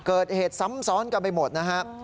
เกิดเหตุซ้ำซ้อนกันไปหมดนะฮะ